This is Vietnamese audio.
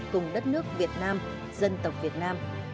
cùng đất nước việt nam dân tộc việt nam